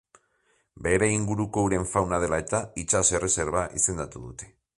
Bere inguruko uren fauna dela eta, itsas erreserba izendatu dute.